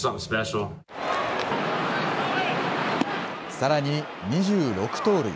さらに、２６盗塁。